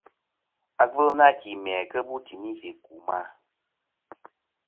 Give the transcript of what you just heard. Agvɨl nâ ki mæ kɨ bu timi fɨ̀ ku ma.